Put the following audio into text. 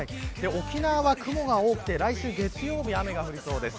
沖縄は雲が多くて、来週月曜日雨が降りそうです。